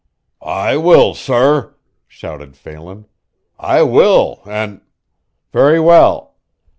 "I will, sorr!" shouted Phelan. "I will, an' " "Very well!